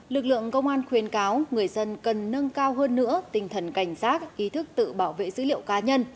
lực lượng công an khuyên cáo người dân cần nâng cao hơn nữa tinh thần cảnh giác ý thức tự bảo vệ dữ liệu cá nhân